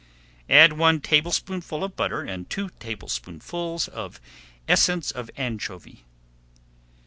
Add one tablespoonful of butter and two tablespoonfuls of essence of anchovy.